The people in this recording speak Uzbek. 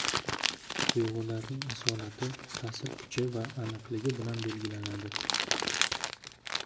• Tuyg‘ularning asolati, ta’sir kuchi va aniqligi bilan belgilanadi.